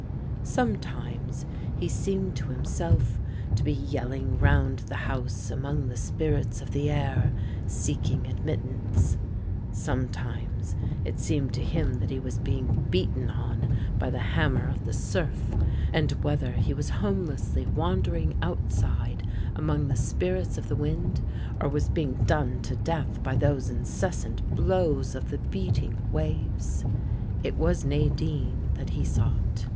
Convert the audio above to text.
Sometimes he seemed to himself to be yelling round the house among the spirits of the air seeking admittance, sometimes it seemed to him that he was being beaten on by the hammer of the surf, and whether he was homelessly wandering outside among the spirits of the wind, or was being done to death by those incessant blows of the beating waves, it was Nadine that he sought.